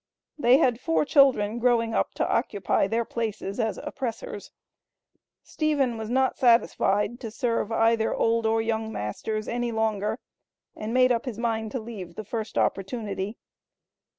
They had four children growing up to occupy their places as oppressors. Stephen was not satisfied to serve either old or young masters any longer, and made up his mind to leave the first opportunity.